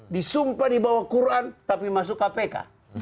disumpah di bawah quran tapi masuk kpk